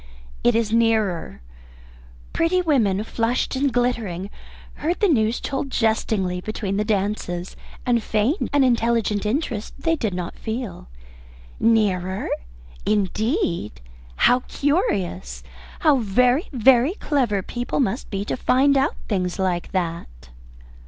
"It is nearer," Pretty women, flushed and glittering, heard the news told jestingly between the dances, and feigned an intelligent interest they did not feel. "Nearer! Indeed. How curious! How very, very clever people must be to find out things like that!"